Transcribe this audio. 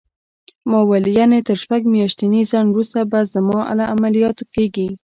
ما وویل: یعنې تر شپږ میاشتني ځنډ وروسته به زما عملیات کېږي؟